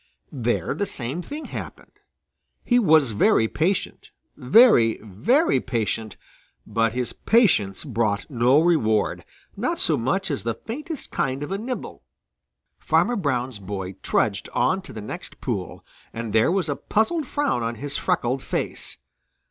There the same thing happened. He was very patient, very, very patient, but his patience brought no reward, not so much as the faintest kind of a nibble. Farmer Brown's boy trudged on to the next pool, and there was a puzzled frown on his freckled face.